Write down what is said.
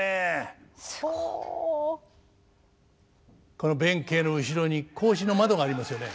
この弁慶の後ろに格子の窓がありますよね。